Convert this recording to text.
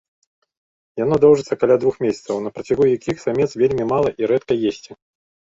Яно доўжыцца каля двух месяцаў, на працягу якіх самец вельмі мала і рэдка есці.